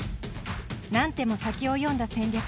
何手も先を読んだ戦略。